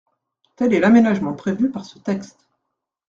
Tel est l’aménagement prévu par ce texte.